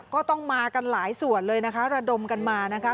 ก็ต้องมากันหลายส่วนเลยนะคะระดมกันมานะคะ